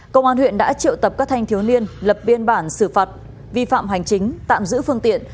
công an huyện đã triệu tập các thanh thiếu niên lập biên bản xử phạt vi phạm hành chính tạm giữ phương tiện